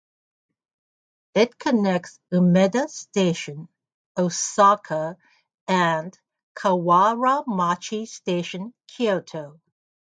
It connects Umeda Station, Osaka and Kawaramachi Station, Kyoto.